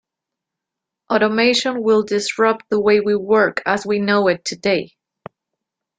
Automation will disrupt the way we work as we know it today.